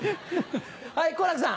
はい好楽さん。